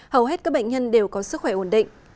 hầu hết các bệnh nhân đều có sức khỏe ổn định